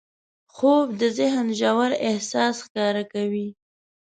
خوب د ذهن ژور احساس ښکاره کوي